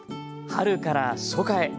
春から初夏へ。